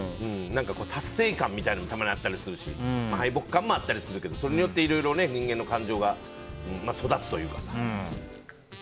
達成感みたいなものもたまにあったりするし敗北感もあったりするけどそれによっていろいろ人間の感情が育つというかさ。